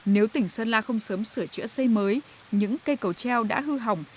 nếu tỉnh sơn la không sớm sửa chữa xây mới những cây cầu treo đã hư hỏng